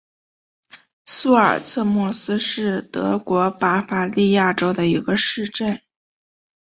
苏尔策莫斯是德国巴伐利亚州的一个市镇。